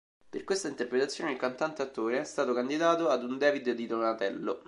Per questa interpretazione il cantante-attore è stato candidato ad un David di Donatello.